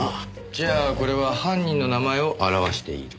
じゃあこれは犯人の名前を表している。